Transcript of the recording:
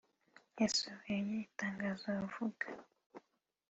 yasohoye itangazo avuga